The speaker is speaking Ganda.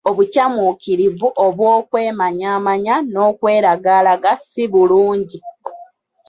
Obukyamuukirivu obw'okwemanyamanya n'okweragalaga si bulungi